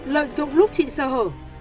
lợi dụng lúc chị sơ hở